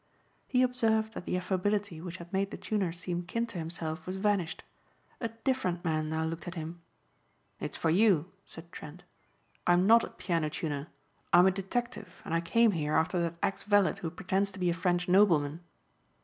He observed that the affability which had made the tuner seem kin to himself was vanished. A different man now looked at him. "It's for you," said Trent. "I'm not a piano tuner. I'm a detective and I came here after that ex valet who pretends to be a French nobleman."